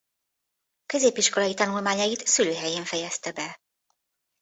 Középiskolai tanulmányait szülőhelyén fejezte be.